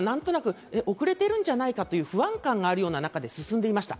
全部遅れているんじゃないかという不安感がある中で進んでいました。